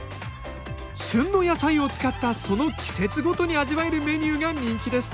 旬の野菜を使ったその季節ごとに味わえるメニューが人気です。